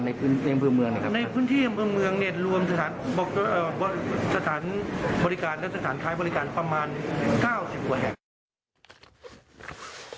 ในพื้นที่เบือนเมืองเนี่ยรวมสถานบริการและสถานค้ายบริการประมาณเก้าสิบประมาณ